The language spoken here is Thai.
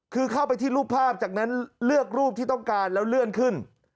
คือเข้าไปที่รูปภาพจากนั้นเลือกรูปที่ต้องการแล้วเลื่อนขึ้น